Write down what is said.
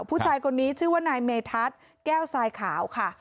ผู้ชายคนนี้ชื่อว่านายเมทัศน์แก้วทรายขาวค่ะ